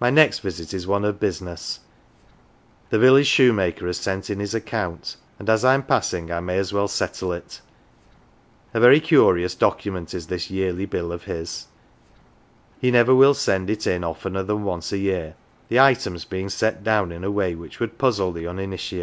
My next visit is one of business : the village shoe maker has sent in his account, and as I am passing I may as well " settle " it. A very curious document is this yearly bill of his he never will send it in oftener than once a year the items being set down in a way which would puzzle the uninitiated :*.